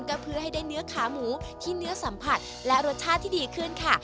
ก็เพื่อให้ได้เนื้อขาหมูที่เนื้อสัมผัสและรสชาติที่ดีขึ้นค่ะ